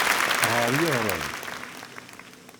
Ɣer yiɣrem.